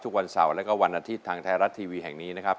ทุกวันเสาร์แล้วก็วันอาทิตย์ทางไทยรัฐทีวีแห่งนี้นะครับ